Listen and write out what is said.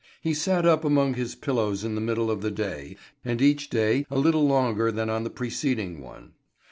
He sat up among his pillows in the middle of the day, and each day a little longer than on the preceding one.